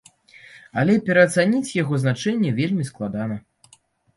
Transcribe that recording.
Але пераацаніць яго значэнне вельмі складана.